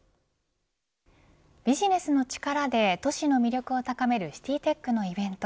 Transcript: ビジネスの力で都市の魅力を高めるシティーテックのイベント